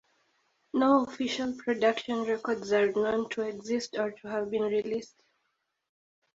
No official production records are known to exist or to have been released.